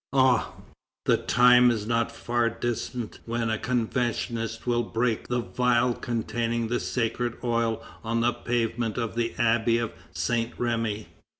Ah! the time is not far distant when a Conventionist will break the vial containing the sacred oil on the pavement of the Abbey of Saint Remi.